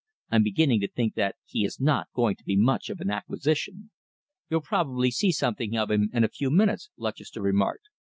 "I'm beginning to think that he is not going to be much of an acquisition." "You'll probably see something of him in a few minutes," Lutchester remarked.